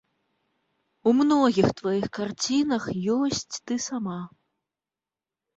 У многіх тваіх карцінах ёсць ты сама.